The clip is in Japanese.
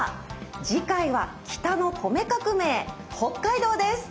次回は「北の米革命北海道」です。